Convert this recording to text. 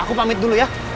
aku pamit dulu ya